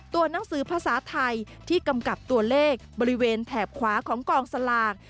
หนังสือภาษาไทยที่กำกับตัวเลขบริเวณแถบขวาของกองสลาก